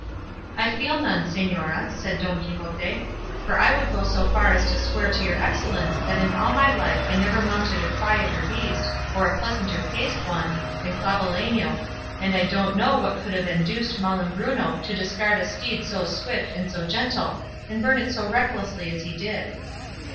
"I feel none, señora," said Don Quixote, "for I would go so far as to swear to your excellence that in all my life I never mounted a quieter beast, or a pleasanter paced one, than Clavileño; and I don't know what could have induced Malambruno to discard a steed so swift and so gentle, and burn it so recklessly as he did."